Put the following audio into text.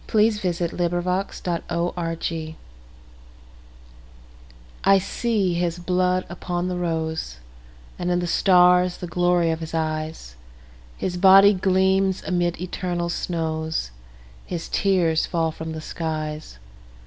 I see His Blood upon the Rose I SEE his blood upon the roseAnd in the stars the glory of his eyes, His body gleams amid eternal snows, His tears fall from the skies.